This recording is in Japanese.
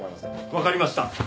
わかりました。